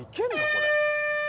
これ。